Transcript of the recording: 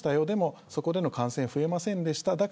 でも、そこでの感染増えませんでした。